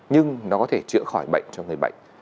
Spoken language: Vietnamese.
nhưng nó có thể chữa khỏi bệnh cho người bệnh